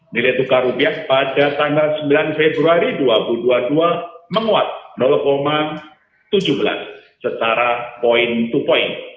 nilai tukar rupiah pada tanggal sembilan februari dua ribu dua puluh dua menguat tujuh belas secara point to point